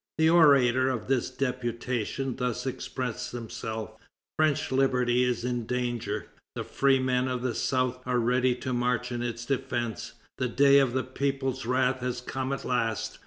The orator of this deputation thus expressed himself: "French liberty is in danger. The free men of the South are ready to march in its defence. The day of the people's wrath has come at last.